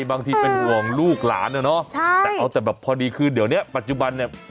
บางทีเป็นห่วงลูกหลานนะเนาะแต่เอาแต่แบบพอดีคือเดี๋ยวเนี้ยปัจจุบันเนี่ย